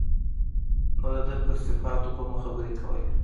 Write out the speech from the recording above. نو د ده پر صفاتو به مو خبرې کولې.